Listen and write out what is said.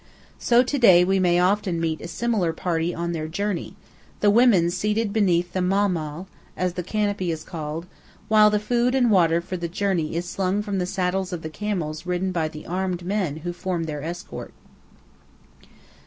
So to day we may often meet a similar party on their journey, the women seated beneath the "mahmal," as the canopy is called, while the food and water for the journey is slung from the saddles of the camels ridden by the armed men who form their escort.